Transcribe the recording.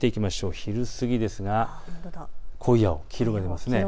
昼過ぎですが濃い青、黄色が出ます。